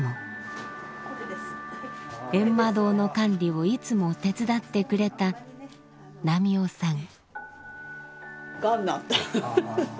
閻魔堂の管理をいつも手伝ってくれた南海雄さん。